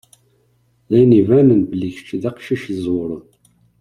D ayen ibanen belli kečč d aqcic iẓewṛen.